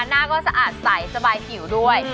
หน้าก็สะอาดใสสบายผิวด้วย